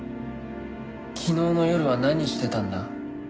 昨日の夜は何してたんだ？